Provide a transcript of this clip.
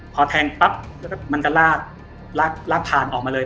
พอแทงปั๊บแล้วก็มันก็ลากลากผ่านออกมาเลย